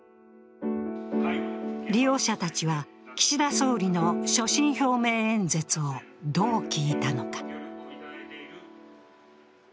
利用者たちは岸田総理の所信表明演説をどう聞いたのか。